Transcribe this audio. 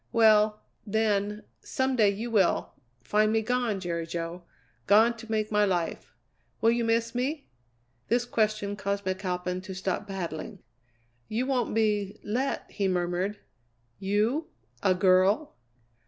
Well, then, some day you will find me gone, Jerry Jo. Gone to make my life. Will you miss me?" This question caused McAlpin to stop paddling. "You won't be let!" he murmured; "you a girl!"